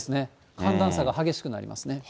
寒暖差が激しくなりますね。